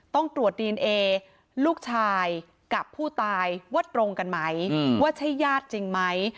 ต้องตรวจดีเอนเอลูกชายกับผู้ตายว่าตรงกันไหมว่าใช่ญาติจริงไหม